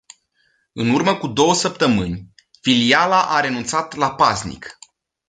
În urmă cu două săptămâni, filiala a renunțat la paznic.